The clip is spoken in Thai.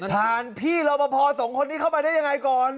ผ่านพี่รอบพอสองคนนี้เข้ามาได้อย่างไรก่อน